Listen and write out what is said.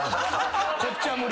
こっちは無理。